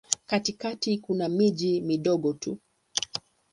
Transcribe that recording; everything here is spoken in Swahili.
Katikati kuna miji midogo tu.